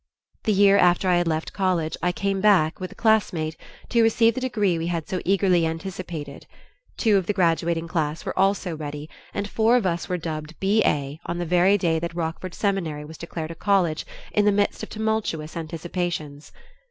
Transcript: The year after I had left college I came back, with a classmate, to receive the degree we had so eagerly anticipated. Two of the graduating class were also ready and four of us were dubbed B.A. on the very day that Rockford Seminary was declared a college in the midst of tumultuous anticipations.